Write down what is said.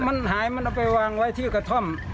มันหายมันเอาไปวางไว้ที่กระท่อม